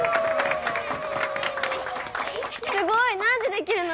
すごい！何でできるの？